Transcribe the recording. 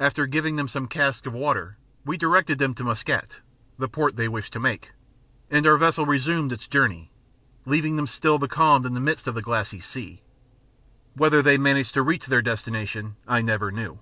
After giving them some casks of water, we directed them to Muscat (the port they wished to make), and our vessel resumed its journey, leaving them still becalmed in the midst of that glassy sea. Whether they managed to reach their destination I never knew.